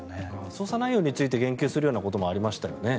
捜査内容について言及するようなこともありましたよね。